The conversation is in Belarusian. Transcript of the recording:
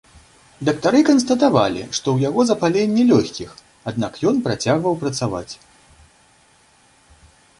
Дактары канстатавалі, што ў яго запаленне лёгкіх, аднак ён працягваў працаваць.